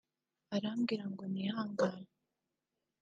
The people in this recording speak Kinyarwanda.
arambwira ngo nihangane